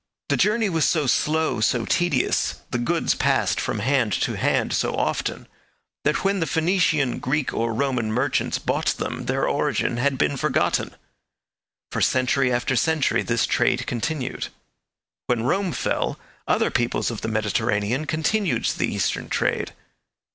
The journey was so slow, so tedious, the goods passed from hand to hand so often, that when the Phoenician, Greek, or Roman merchants bought them their origin had been forgotten. For century after century this trade continued. When Rome fell, other peoples of the Mediterranean continued the Eastern trade.